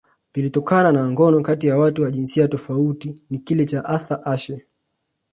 vilivyotokana na ngono kati ya watu wa jinsia tofauti ni kile cha Arthur Ashe